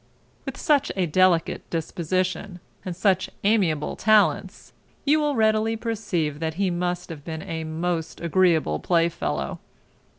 With such a delicate disposition, and such amiable talents, you will readily perceive that he must have been a most agreeable play fellow.